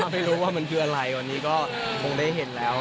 ไม่รู้ว่ามันคืออะไรวันนี้ก็คงได้เห็นแล้ว